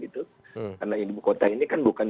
karena ibu kota ini kan bukan